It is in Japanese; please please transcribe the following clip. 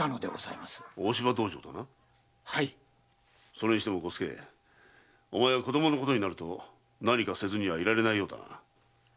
それにしても伍助お前は子供のことになると何かせずにはいられないようだな。